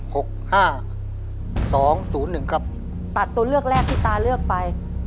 หกห้าสองศูนย์หนึ่งครับตัดตัวเลือกแรกที่ตาเลือกไป